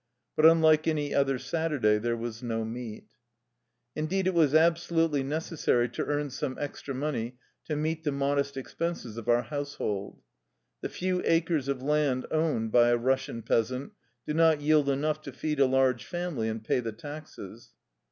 But unlike any other Saturday there was no meat. ... Indeed it was absolutely necessary to earn some extra money to meet the modest expenses of our household. The few acres of land owned by a Russian peasant do not yield enough to feed a large family and pay the taxes.